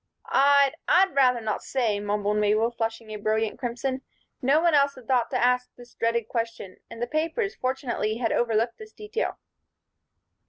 "I'd I'd rather not say," mumbled Mabel, flushing a brilliant crimson. No one else had thought to ask this dreaded question, and the papers, fortunately, had overlooked this detail.